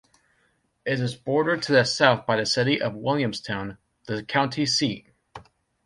It is bordered to the south by the city of Williamstown, the county seat.